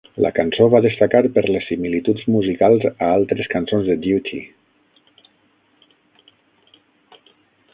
La cançó va destacar per les similituds musicals a altres cançons de "Duty".